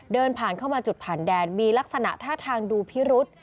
เดินผ่านเข้ามาจุดผ่านแดนมีลักษณะท่าทางดูพิรุษ